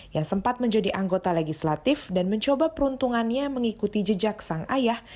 yang sempat menjadi anggota legislatif dan mencoba peruntungannya mengikuti jejak sang ayah